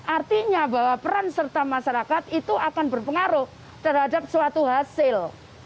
artinya bahwa peran serta masyarakat itu akan berpengaruh terhadap suatu hasil